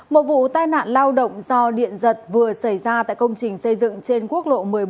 một vụ tai nạn lao động do điện giật vừa xảy ra tại công trình xây dựng trên quốc lộ một mươi bốn